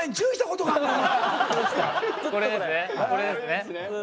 これですね。